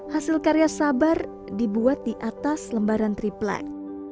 hasil karya sabar dibuat di atas lembaran triplek